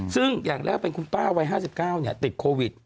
ซึ่งอย่างแรกเป็นคุณป้าวัย๕๙ติดโควิด